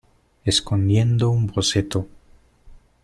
escondiendo un boceto.